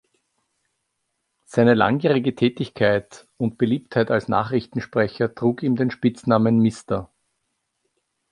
Seine langjährige Tätigkeit und Beliebtheit als Nachrichtensprecher trug ihm den Spitznamen «Mr.